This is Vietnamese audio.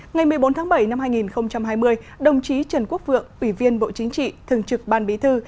ngày một mươi bốn tháng bảy năm hai nghìn hai mươi đồng chí trần quốc vượng ủy viên bộ chính trị thường trực ban bí thư